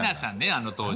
あの当時。